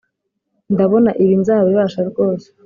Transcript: Ndabona ibi nzabibasha rwose